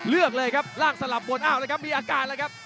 เลือกเลยครับล่างสลับบนอ้าวแล้วครับมีอาการแล้วครับ